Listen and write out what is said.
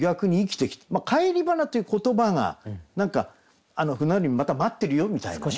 まあ「返り花」という言葉が何か「船乗りを待ってるよ」みたいなね。